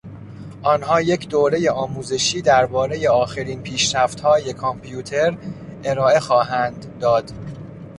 آنها یک دورهی آموزشی دربارهی آخرین پیشرفتهای کامپیوتر ارائه خواهند داد.